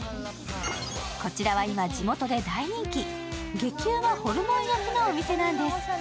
こちらは今、地元で大人気、激うまホルモン焼きのお店です。